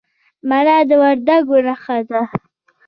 مڼه د وردګو نښه ده.